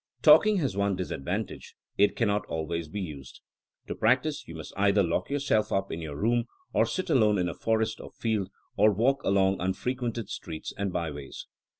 Talking has one disadvantage — ^it cannot al ways be used. To practice it, you must either lock yourself up in your room, or sit alone in a forest or field, or walk along unfrequented streets and by ways.